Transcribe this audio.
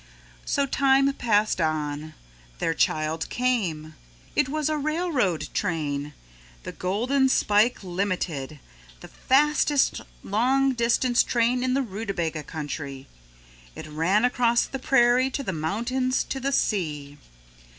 So time passed on. Their child came. It was a railroad train, the Golden Spike Limited, the fastest long distance train in the Rootabaga Country. It ran across the prairie, to the mountains, to the sea.